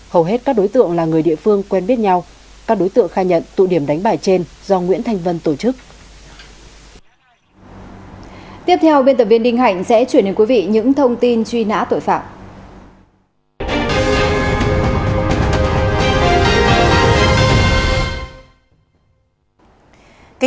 hầu hết các đối tượng là người địa phương quen biết nhau các đối tượng khai nhận tụ điểm đánh bài trên do nguyễn thanh vân tổ chức